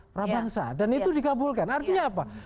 prabangsa dan itu dikabulkan artinya apa